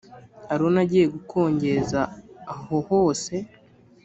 aroni agiye gukongeza ahohose.